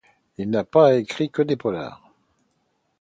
Il n'a pas écrit que des polars.